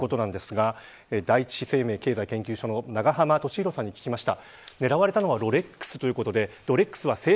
第一生命経済研究所の永濱利廣さんに聞きました。